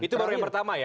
itu baru yang pertama ya